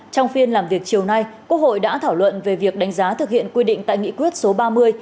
trong phiên làm việc chiều nay quốc hội đã thảo luận về việc đánh giá thực hiện quy định tại nghị quyết số ba mươi